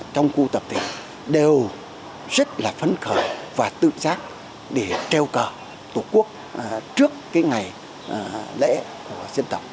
tỉnh đều rất là phấn khởi và tự giác để treo cờ tổ quốc trước ngày lễ diễn tổng